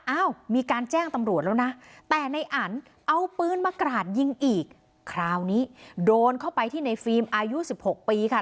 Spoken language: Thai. อ้าวมีการแจ้งตำรวจแล้วนะแต่ในอันเอาปืนมากราดยิงอีกคราวนี้โดนเข้าไปที่ในฟิล์มอายุสิบหกปีค่ะ